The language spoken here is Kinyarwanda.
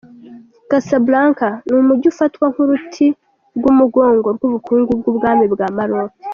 Casablanca ni umujyi ufatwa nk’uruti rw’umugongo rw’ubukungu bw’Ubwami bwa Maroc.